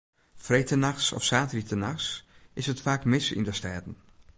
Freedtenachts of saterdeitenachts is it faak mis yn de stêden.